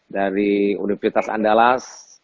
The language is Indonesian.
dari universitas andalas